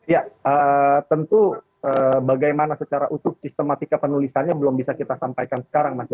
ya tentu bagaimana secara utuh sistematika penulisannya belum bisa kita sampaikan sekarang mas